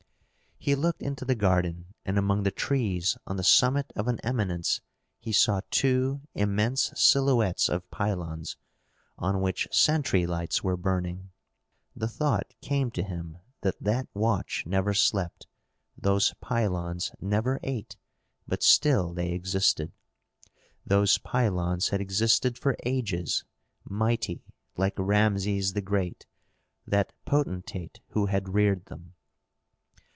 He looked into the garden, and among the trees on the summit of an eminence he saw two immense silhouettes of pylons, on which sentry lights were burning. The thought came to him that that watch never slept, those pylons never ate, but still they existed. Those pylons had existed for ages, mighty, like Rameses the Great, that potentate who had reared them.